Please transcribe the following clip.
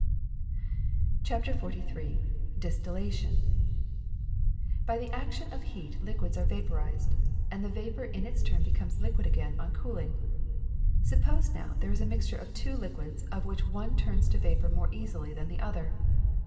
'' CHAPTER XLIII DISTILIATION BY the action of heat liquids are vaporized, and the vapor in its turn becomes a liquid again on cooling. Suppose, now, there is a mixture of two liquids of which one turns to vapor more easily than the other.